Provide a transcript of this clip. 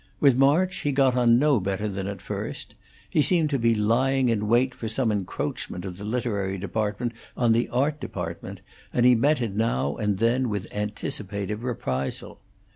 With March he got on no better than at first. He seemed to be lying in wait for some encroachment of the literary department on the art department, and he met it now and then with anticipative reprisal.